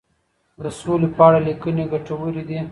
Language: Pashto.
د سولي په اړه لیکنې ګټورې دي.